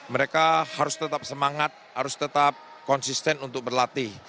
mereka harus tetap semangat harus tetap konsisten untuk berlatih